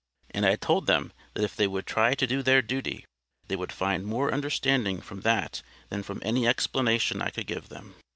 And I told them that if they would try to do their duty, they would find more understanding from that than from any explanation I could give them.